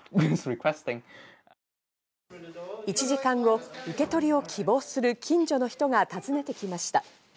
１時間後、受け取りを希望する近所の人が訪ねてきました。